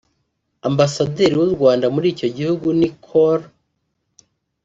Ambasaderi w’u Rwanda muri icyo gihugu ni Col